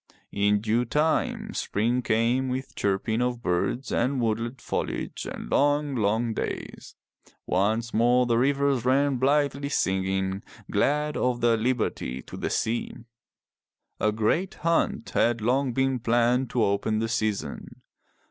In due time spring came with chirping of birds and woodland foliage and long, long days. Once more the rivers ran blithely singing, glad of their liberty, to the sea. A great hunt had long been planned to open the season.